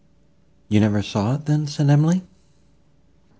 "You never saw it, then?" said Emily.